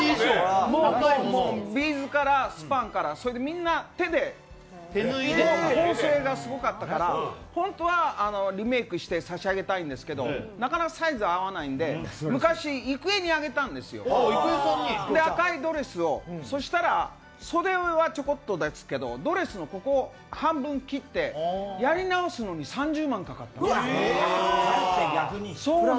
ビーズからスパンからみんな手で縫製がすごかったから、本当はリメークして差し上げたかったんですけど、なかなかサイズ合わないんで昔郁恵にあげたんですよ、赤いドレスを、そしたら、袖はちょこっとですけど、ドレスの丈を半分切って、やり直すのに３０万円かかったっていう。